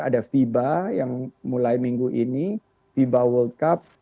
ada fiba yang mulai minggu ini fiba world cup